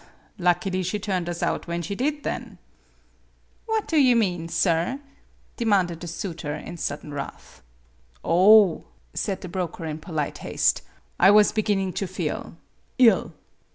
" Lucky she turned us out when she did, then." '' What do you mean, sir ?" demanded the suitor, in sudden wrath. "Oh," said the broker, in polite haste, "I was beginning to feel ill."